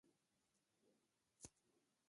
مالګه په خالصه ماده کې ناخالصه بلل کیږي.